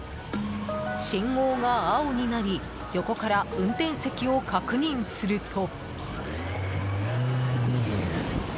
信号が青になり、横から運転席を確認すると。